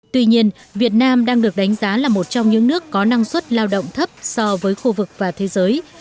tuy nhiên việt nam đang được đánh giá là một trong những nước có năng suất lao động thấp so với khu vực và thế giới